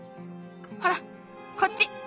ほらこっち！